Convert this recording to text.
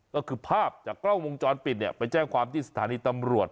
ก็คือภาพจากกล้องวงจรปิดเนี่ยไปแจ้งความที่สถานีตำรวจ